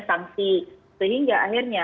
sanksi sehingga akhirnya